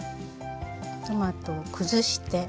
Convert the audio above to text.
トマトを崩して。